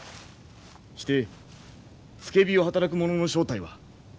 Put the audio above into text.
して付け火を働く者の正体は？